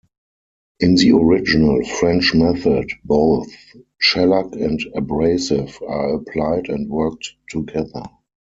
In the original 'French Method', both shellac and abrasive are applied and worked together.